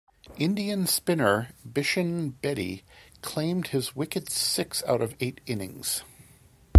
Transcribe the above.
Indian spinner Bishen Bedi claimed his wicket six out of eight innings.